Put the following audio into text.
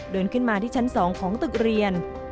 เดินขึ้นมาที่ชั้น๒ของตึกเรียน